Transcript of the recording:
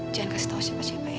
jangan kasih tahu siapa siapa ya